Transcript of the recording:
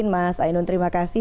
mas ainun terima kasih